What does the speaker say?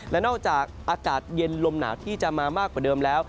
และนอกจากอากาศเย็นลมหนาวที่จะมามากกว่าเดิมแล้ว